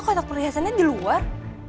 kotak perhiasannya di luar